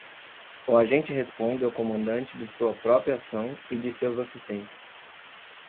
O agente responde ao comandante de sua própria ação e de seus assistentes.